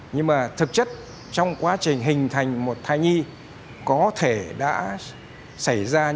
nhưng mà thực chất trong quá trình hình thành một thai nhi có thể đã xảy ra những thay đổi bên trong